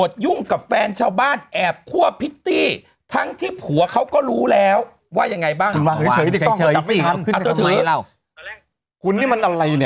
ตอนแรกเกิดร้อนเนี่ยตอนนี้เป็นผู้เอกหน้าร้อนไม่ได้